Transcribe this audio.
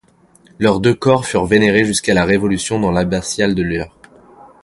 Leurs deux corps furent vénérés jusqu'à la Révolution dans l'abbatiale de Lure.